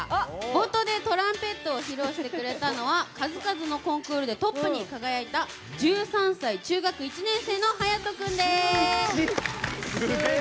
冒頭でトランペットを披露してくれたのは数々のコンクールでトップに輝いた１３歳、中学１年生のはやと君です！